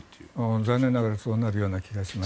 残念ながらそうなる気がします。